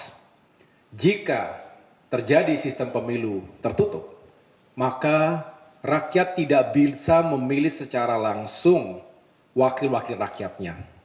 karena jika terjadi sistem pemilu tertutup maka rakyat tidak bisa memilih secara langsung wakil wakil rakyatnya